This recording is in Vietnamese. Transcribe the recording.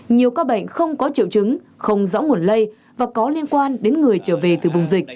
nhiều ca bệnh không có triệu chứng không rõ nguồn lây và có liên quan đến người trở về từ vùng dịch